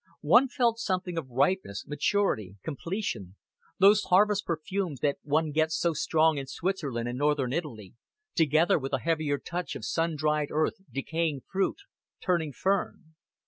One felt something of ripeness, maturity, completion those harvest perfumes that one gets so strong in Switzerland and Northern Italy, together with the heavier touch of sun dried earth, decaying fruit, turning fern.